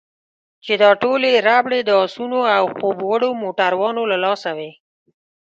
چې دا ټولې ربړې د اسونو او خوب وړو موټروانانو له لاسه وې.